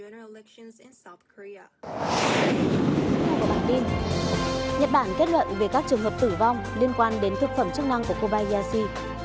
nhật bản kết luận về các trường hợp tử vong liên quan đến thực phẩm chức năng của kobayashi